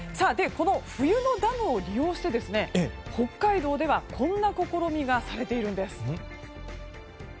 この冬のダムを利用して北海道ではこんな試みがされているんです。